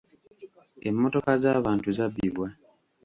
Emmotoka z'abantu zabbibwa.